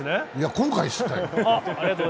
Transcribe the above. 今回知ったよ。